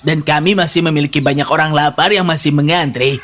dan kami masih memiliki banyak orang lapar yang masih mengantri